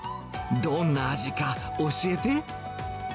どんな味か、教えて。